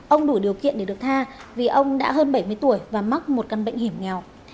ông đủ điều kiện để được tha vì ông đã hơn bảy mươi tuổi và mắc một căn bệnh hiểm nghèo